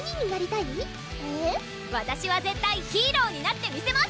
わたしは絶対ヒーローになってみせます！